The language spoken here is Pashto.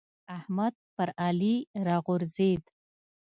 احمد پر علي راغورځېد.